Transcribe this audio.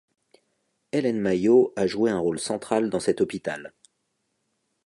Helen Mayo a joué un rôle central dans cet hôpital.